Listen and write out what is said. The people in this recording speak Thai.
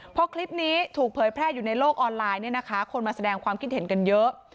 พอคลิปนี้ถูกเผยแพร่อยู่ในโลกออนไลน์เนี่ยนะคะคนมาแสดงความคิดเห็นกันเยอะ